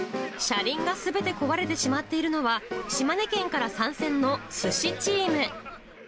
車輪がすべて壊れてしまっているのは、島根県から参戦のスシチーム。